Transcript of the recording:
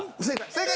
正解。